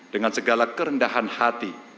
dengan segala kerendahan hati